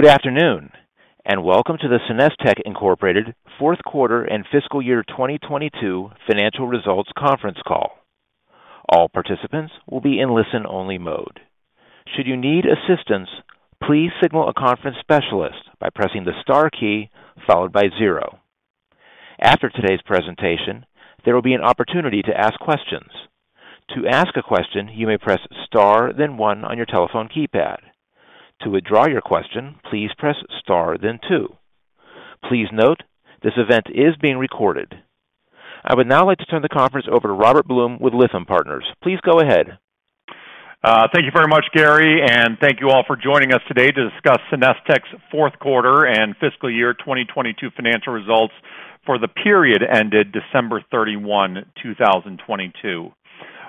Good afternoon, welcome to the SenesTech, Inc. fourth quarter and fiscal year 2022 financial results conference call. All participants will be in listen-only mode. Should you need assistance, please signal a conference specialist by pressing the star key followed by 0. After today's presentation, there will be an opportunity to ask questions. To ask a question, you may press star then 1 on your telephone keypad. To withdraw your question, please press star then 2. Please note, this event is being recorded. I would now like to turn the conference over to Robert Blum with Lytham Partners. Please go ahead. Thank you very much, Gary, and thank you all for joining us today to discuss SenesTech's fourth quarter and fiscal year 2022 financial results for the period ended December 31, 2022.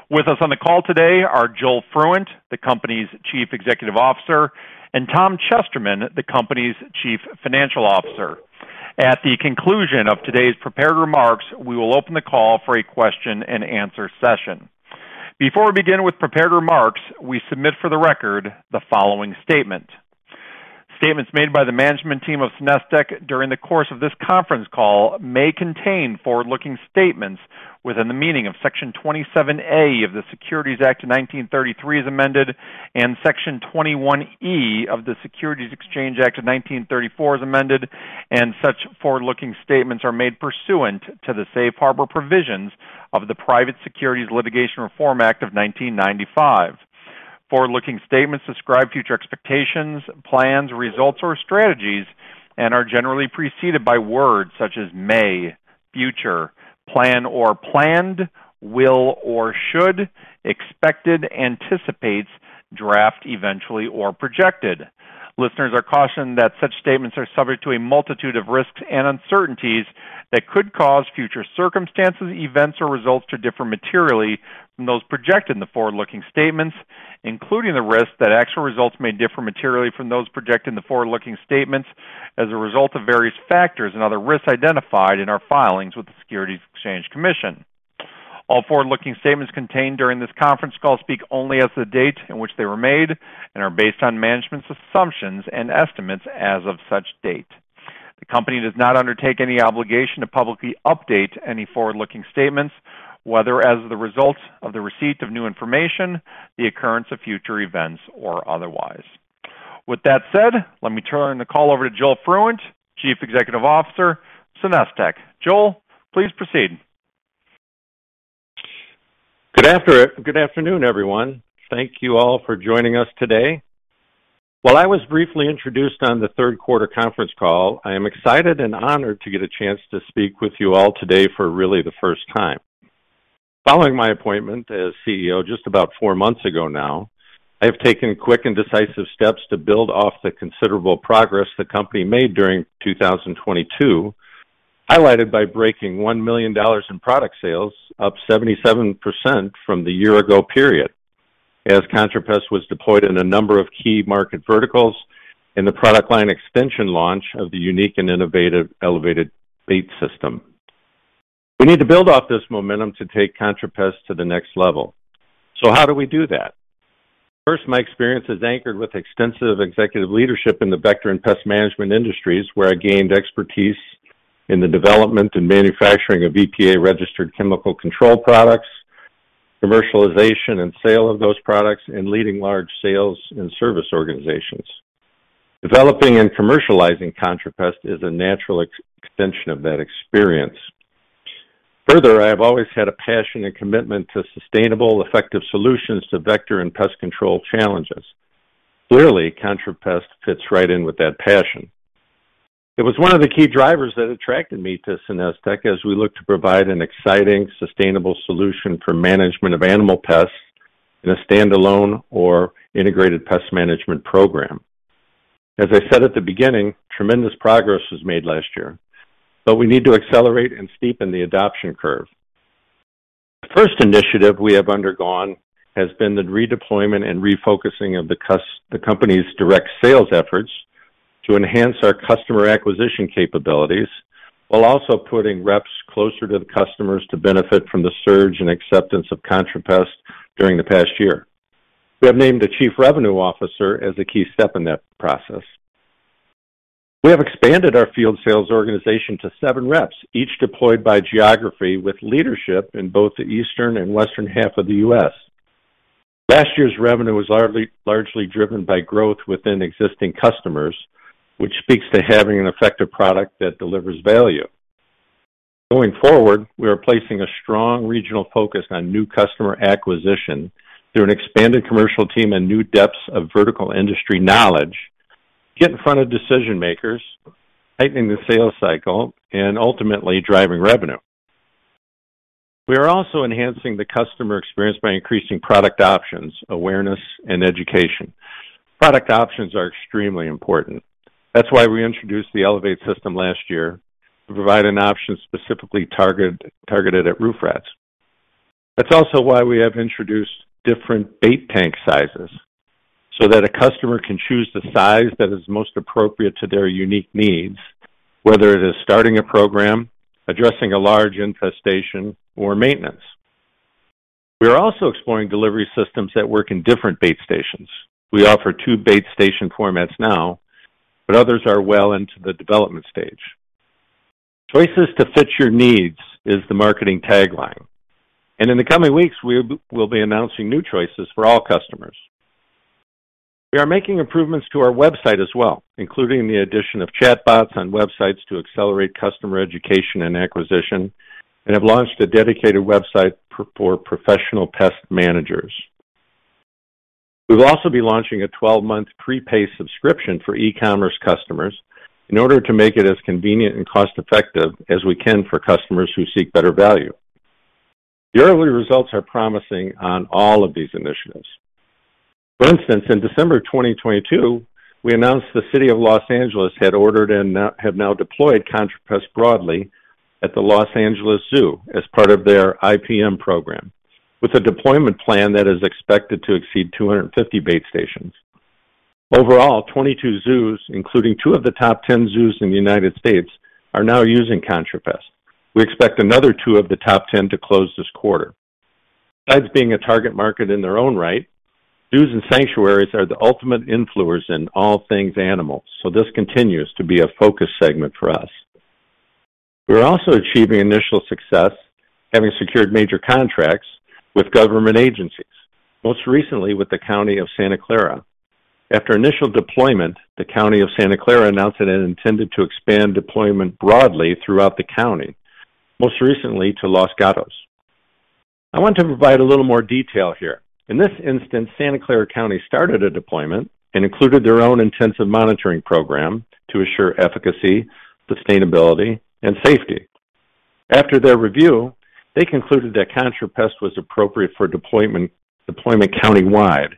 With us on the call today are Joel Fruendt, the company's Chief Executive Officer, and Tom Chesterman, the company's Chief Financial Officer. At the conclusion of today's prepared remarks, we will open the call for a question-and-answer session. Before we begin with prepared remarks, we submit for the record the following statement. Statements made by the management team of SenesTech during the course of this conference call may contain forward-looking statements within the meaning of Section 27A of the Securities Act of 1933 as amended, and Section 21E of the Securities Exchange Act of 1934 as amended, and such forward-looking statements are made pursuant to the safe harbor provisions of the Private Securities Litigation Reform Act of 1995. Forward-looking statements describe future expectations, plans, results, or strategies and are generally preceded by words such as may, future, plan or planned, will or should, expected, anticipates, draft, eventually, or projected. Listeners are cautioned that such statements are subject to a multitude of risks and uncertainties that could cause future circumstances, events, or results to differ materially from those projected in the forward-looking statements, including the risk that actual results may differ materially from those projected in the forward-looking statements as a result of various factors and other risks identified in our filings with the Securities and Exchange Commission. All forward-looking statements contained during this conference call speak only as of the date in which they were made and are based on management's assumptions and estimates as of such date. The Company does not undertake any obligation to publicly update any forward-looking statements, whether as a result of the receipt of new information, the occurrence of future events, or otherwise. With that said, let me turn the call over to Joel Fruendt, Chief Executive Officer, SenesTech. Joel, please proceed. Good afternoon, everyone. Thank you all for joining us today. While I was briefly introduced on the third quarter conference call, I am excited and honored to get a chance to speak with you all today for really the first time. Following my appointment as CEO just about four months ago now, I have taken quick and decisive steps to build off the considerable progress the company made during 2022, highlighted by breaking $1 million in product sales, up 77% from the year ago period as ContraPest was deployed in a number of key market verticals and the product line extension launch of the unique and innovative Elevate Bait System. We need to build off this momentum to take ContraPest to the next level. How do we do that? First, my experience is anchored with extensive executive leadership in the vector and pest management industries, where I gained expertise in the development and manufacturing of EPA-registered chemical control products, commercialization and sale of those products, and leading large sales and service organizations. Developing and commercializing ContraPest is a natural extension of that experience. I have always had a passion and commitment to sustainable, effective solutions to vector and pest control challenges. ContraPest fits right in with that passion. It was one of the key drivers that attracted me to SenesTech as we look to provide an exciting, sustainable solution for management of animal pests in a standalone or integrated pest management program. As I said at the beginning, tremendous progress was made last year, we need to accelerate and steepen the adoption curve. The first initiative we have undergone has been the redeployment and refocusing of the company's direct sales efforts to enhance our customer acquisition capabilities while also putting reps closer to the customers to benefit from the surge in acceptance of ContraPest during the past year. We have named a chief revenue officer as a key step in that process. We have expanded our field sales organization to seven reps, each deployed by geography with leadership in both the eastern and western half of the U.S. Last year's revenue was largely driven by growth within existing customers, which speaks to having an effective product that delivers value. Going forward, we are placing a strong regional focus on new customer acquisition through an expanded commercial team and new depths of vertical industry knowledge to get in front of decision-makers, tightening the sales cycle, and ultimately driving revenue. We are also enhancing the customer experience by increasing product options, awareness, and education. Product options are extremely important. That's why we introduced the Elevate system last year to provide an option specifically target-targeted at roof rats. That's also why we have introduced different bait tank sizes so that a customer can choose the size that is most appropriate to their unique needs, whether it is starting a program, addressing a large infestation, or maintenance. We are also exploring delivery systems that work in different bait stations. We offer two bait station formats now, but others are well into the development stage. Choices to fit your needs is the marketing tagline, and in the coming weeks, we will be announcing new choices for all customers. We are making improvements to our website as well, including the addition of chatbots on websites to accelerate customer education and acquisition, and have launched a dedicated website for professional pest managers. We'll also be launching a 12-month prepaid subscription for e-commerce customers in order to make it as convenient and cost-effective as we can for customers who seek better value. The early results are promising on all of these initiatives. For instance, in December 2022, we announced the City of Los Angeles had ordered and have now deployed ContraPest broadly at the Los Angeles Zoo as part of their IPM program, with a deployment plan that is expected to exceed 250 bait stations. Overall, 22 zoos, including two of the top 10 zoos in the United States, are now using ContraPest. We expect another two of the top 10 to close this quarter. Besides being a target market in their own right, zoos and sanctuaries are the ultimate influencers in all things animals, so this continues to be a focus segment for us. We are also achieving initial success, having secured major contracts with government agencies, most recently with the County of Santa Clara. After initial deployment, the County of Santa Clara announced that it intended to expand deployment broadly throughout the county, most recently to Los Gatos. I want to provide a little more detail here. In this instance, Santa Clara County started a deployment and included their own intensive monitoring program to assure efficacy, sustainability, and safety. After their review, they concluded that ContraPest was appropriate for deployment countywide,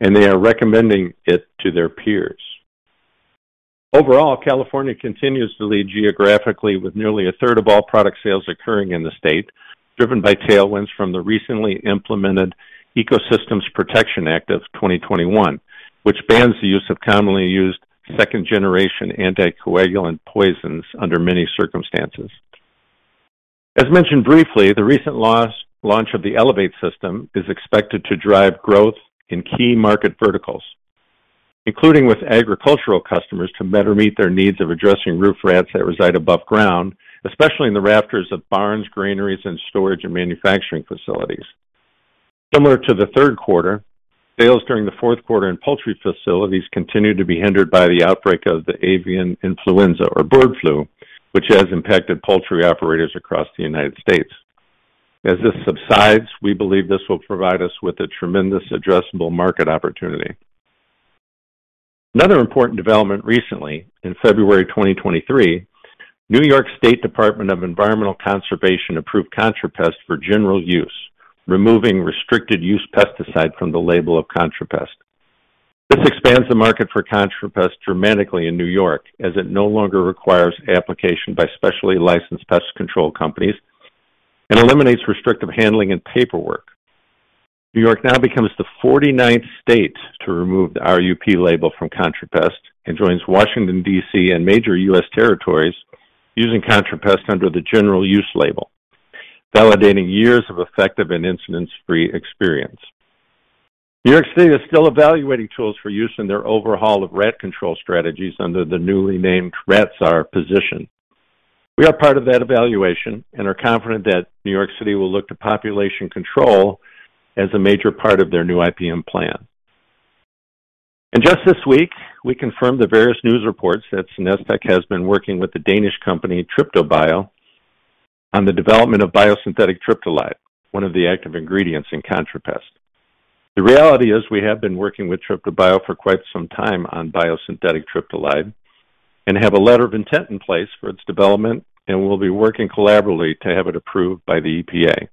and they are recommending it to their peers. Overall, California continues to lead geographically with nearly a third of all product sales occurring in the state, driven by tailwinds from the recently implemented California Ecosystems Protection Act of 2021, which bans the use of commonly used second-generation anticoagulant rodenticides under many circumstances. As mentioned briefly, the recent launch of the Elevate Bait System is expected to drive growth in key market verticals, including with agricultural customers to better meet their needs of addressing roof rats that reside above ground, especially in the rafters of barns, granaries, and storage and manufacturing facilities. Similar to the third quarter, sales during the fourth quarter in poultry facilities continued to be hindered by the outbreak of the avian influenza or bird flu, which has impacted poultry operators across the United States. As this subsides, we believe this will provide us with a tremendous addressable market opportunity. Another important development recently, in February 2023, New York State Department of Environmental Conservation approved ContraPest for general use, removing Restricted Use Pesticide from the label of ContraPest. This expands the market for ContraPest dramatically in New York, as it no longer requires application by specially licensed pest control companies and eliminates restrictive handling and paperwork. New York now becomes the 49th state to remove the RUP label from ContraPest and joins Washington, D.C., and major U.S. territories using ContraPest under the general use label, validating years of effective and incidence-free experience. New York City is still evaluating tools for use in their overhaul of rat control strategies under the newly named Rat Czar position. We are part of that evaluation and are confident that New York City will look to population control as a major part of their new IPM plan. Just this week, we confirmed the various news reports that SenesTech has been working with the Danish company TriptoBio on the development of biosynthetic triptolide, one of the active ingredients in ContraPest. The reality is we have been working with TriptoBio for quite some time on biosynthetic triptolide and have a letter of intent in place for its development and will be working collaboratively to have it approved by the EPA.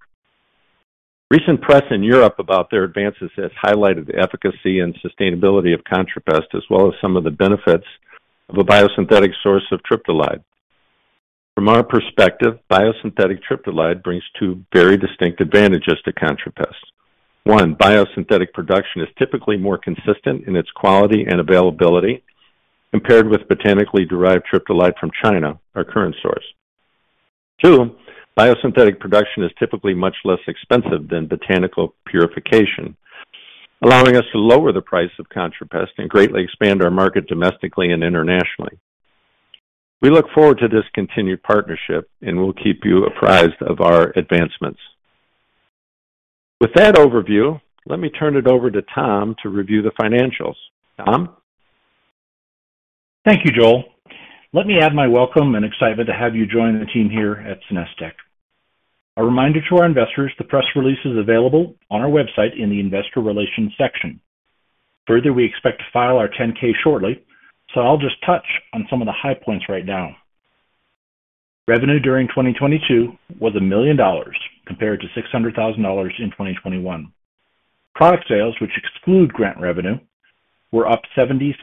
Recent press in Europe about their advances has highlighted the efficacy and sustainability of ContraPest, as well as some of the benefits of a biosynthetic source of triptolide. From our perspective, biosynthetic triptolide brings two very distinct advantages to ContraPest. One, biosynthetic production is typically more consistent in its quality and availability compared with botanically derived triptolide from China, our current source. Two, biosynthetic production is typically much less expensive than botanical purification, allowing us to lower the price of ContraPest and greatly expand our market domestically and internationally. We look forward to this continued partnership, and we'll keep you apprised of our advancements. With that overview, let me turn it over to Tom to review the financials. Tom? Thank you, Joel. Let me add my welcome and excitement to have you join the team here at SenesTech. A reminder to our investors, the press release is available on our website in the investor relations section. We expect to file our 10-K shortly, so I'll just touch on some of the high points right now. Revenue during 2022 was $1 million compared to $600,000 in 2021. Product sales, which exclude grant revenue, were up 77%.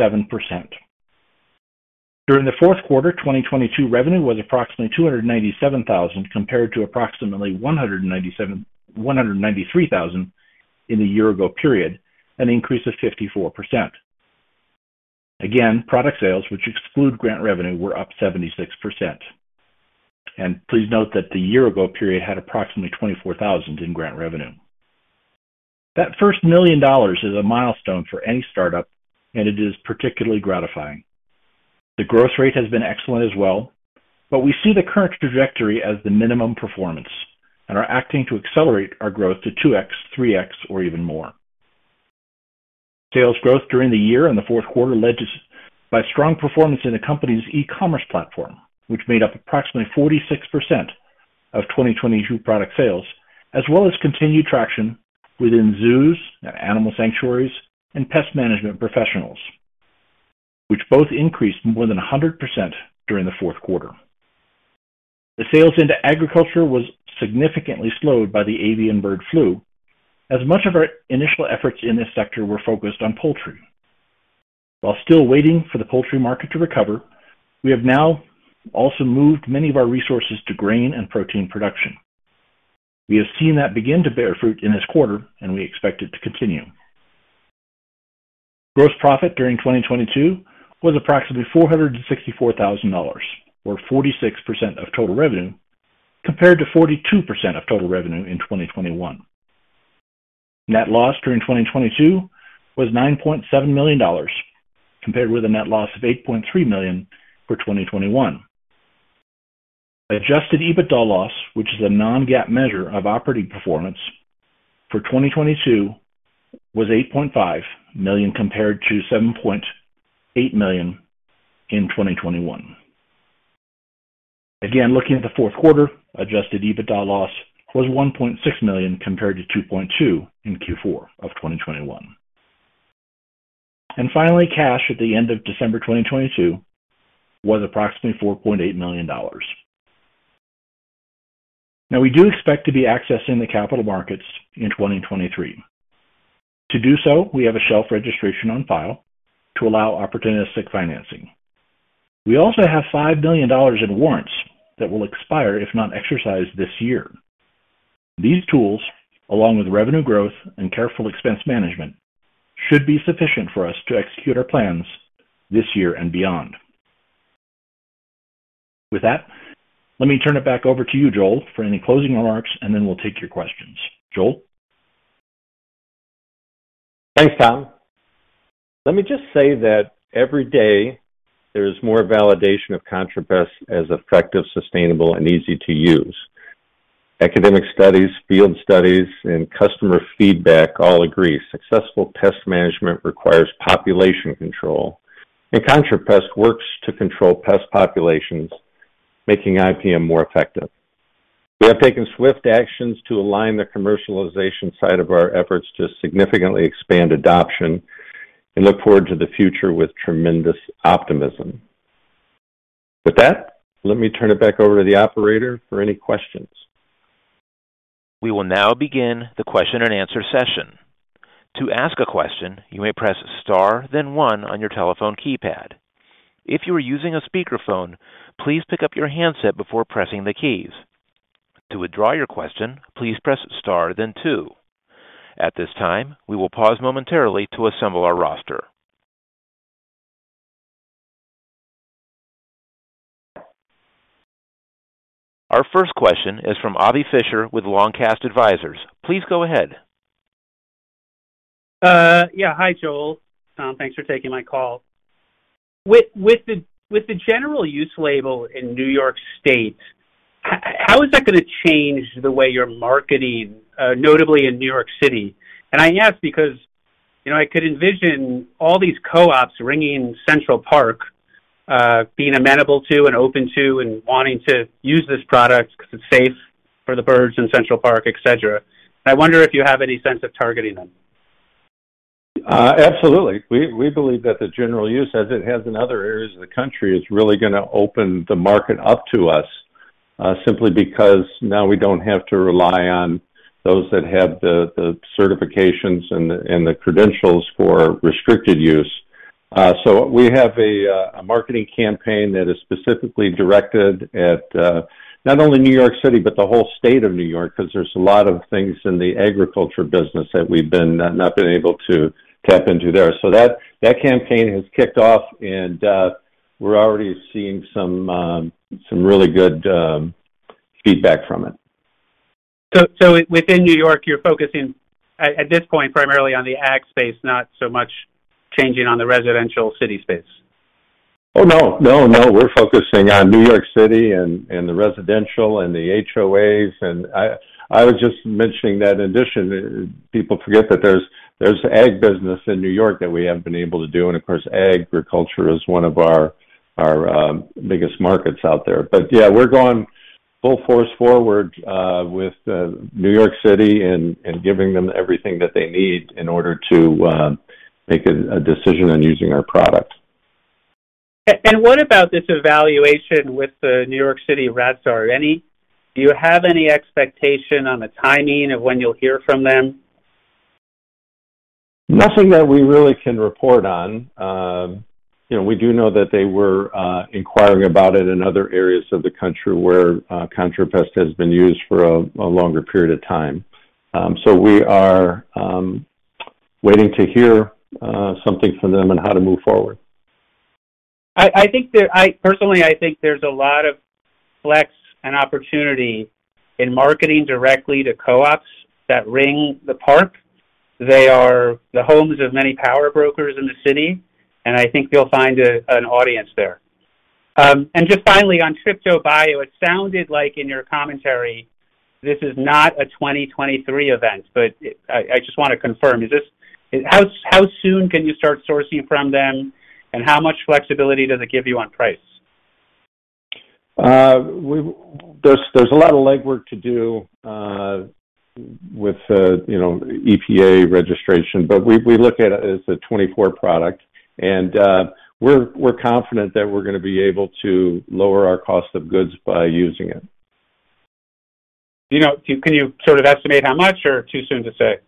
During the fourth quarter, 2022 revenue was approximately $297,000 compared to approximately $193,000 in the year ago period, an increase of 54%. Product sales, which exclude grant revenue, were up 76%. Please note that the year ago period had approximately $24,000 in grant revenue. That first $1 million is a milestone for any startup. It is particularly gratifying. The growth rate has been excellent as well. We see the current trajectory as the minimum performance and are acting to accelerate our growth to 2x, 3x, or even more. Sales growth during the year in the fourth quarter led to by strong performance in the company's e-commerce platform, which made up approximately 46% of 2022 product sales, as well as continued traction within zoos and animal sanctuaries and pest management professionals, which both increased more than 100% during the fourth quarter. The sales into agriculture was significantly slowed by the avian influenza. Much of our initial efforts in this sector were focused on poultry. While still waiting for the poultry market to recover, we have now also moved many of our resources to grain and protein production. We have seen that begin to bear fruit in this quarter, and we expect it to continue. Gross profit during 2022 was approximately $464,000 or 46% of total revenue, compared to 42% of total revenue in 2021. Net loss during 2022 was $9.7 million, compared with a net loss of $8.3 million for 2021. Adjusted EBITDA loss, which is a non-GAAP measure of operating performance for 2022, was $8.5 million compared to $7.8 million in 2021. Again, looking at the fourth quarter, adjusted EBITDA loss was $1.6 million compared to $2.2 million in Q4 of 2021. Finally, cash at the end of December 2022 was approximately $4.8 million. We do expect to be accessing the capital markets in 2023. To do so, we have a shelf registration on file to allow opportunistic financing. We also have $5 million in warrants that will expire if not exercised this year. These tools, along with revenue growth and careful expense management, should be sufficient for us to execute our plans this year and beyond. With that, let me turn it back over to you, Joel, for any closing remarks, and then we'll take your questions. Joel. Thanks, Tom. Let me just say that every day there is more validation of ContraPest as effective, sustainable, and easy to use. Academic studies, field studies, and customer feedback all agree. Successful pest management requires population control, and ContraPest works to control pest populations, making IPM more effective. We have taken swift actions to align the commercialization side of our efforts to significantly expand adoption and look forward to the future with tremendous optimism. With that, let me turn it back over to the operator for any questions. We will now begin the question and answer session. To ask a question, you may press Star then one on your telephone keypad. If you are using a speakerphone, please pick up your handset before pressing the keys. To withdraw your question, please press Star then two. At this time, we will pause momentarily to assemble our roster. Our first question is from Avi Fisher with Long Cast Advisers. Please go ahead. Yeah. Hi, Joel. Tom, thanks for taking my call. With the general use label in New York State, how is that going to change the way you're marketing, notably in New York City? I ask because, you know, I could envision all these co-ops ringing Central Park, being amenable to and open to and wanting to use this product because it's safe for the birds in Central Park, et cetera. I wonder if you have any sense of targeting them. Absolutely. We believe that the general use, as it has in other areas of the country, is really going to open the market up to us, simply because now we don't have to rely on those that have the certifications and the credentials for restricted use. We have a marketing campaign that is specifically directed at not only New York City, but the whole state of New York, because there's a lot of things in the agriculture business that we've been, not been able to tap into there. That campaign has kicked off, and we're already seeing some really good feedback from it. within New York, you're focusing at this point, primarily on the ag space, not so much changing on the residential city space? Oh, no, no. We're focusing on New York City and the residential and the HOAs. I was just mentioning that in addition, people forget that there's ag business in New York that we haven't been able to do. Of course, agriculture is one of our biggest markets out there. Yeah, we're going full force forward with New York City and giving them everything that they need in order to make a decision on using our product. What about this evaluation with the New York City rats? Do you have any expectation on the timing of when you'll hear from them? Nothing that we really can report on. You know, we do know that they were inquiring about it in other areas of the country where ContraPest has been used for longer period of time. We are waiting to hear something from them on how to move forward. I think there personally, I think there's a lot of flex and opportunity in marketing directly to co-ops that ring the park. They are the homes of many power brokers in the city, and I think you'll find an audience there. Just finally on TriptoBIO, it sounded like in your commentary this is not a 2023 event, but I just wanna confirm. Is this how soon can you start sourcing from them, and how much flexibility do they give you on price? There's a lot of legwork to do, with, you know, EPA registration, but we look at it as a 2024 product. We're confident that we're gonna be able to lower our cost of goods by using it. Can you sort of estimate how much or too soon to say?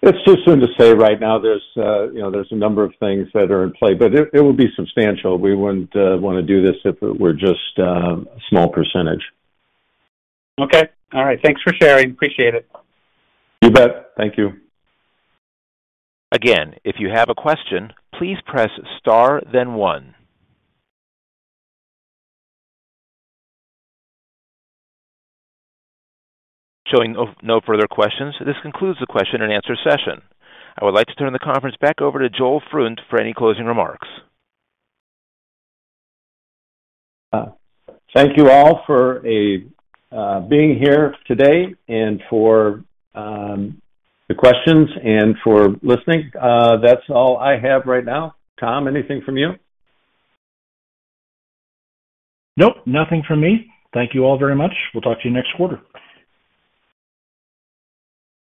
It's too soon to say right now. There's, you know, there's a number of things that are in play, but it would be substantial. We wouldn't, wanna do this if it were just, a small percentage. Okay. All right. Thanks for sharing. Appreciate it. You bet. Thank you. Again, if you have a question, please press star then 1. Showing of no further questions, this concludes the question and answer session. I would like to turn the conference back over to Joel Fruendt for any closing remarks. Thank you all for being here today and for the questions and for listening. That's all I have right now. Tom, anything from you? Nope, nothing from me. Thank you all very much. We'll talk to you next quarter.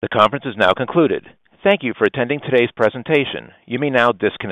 The conference is now concluded. Thank you for attending today's presentation. You may now disconnect.